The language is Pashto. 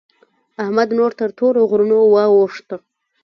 احمد نور تر تورو غرو واوښت.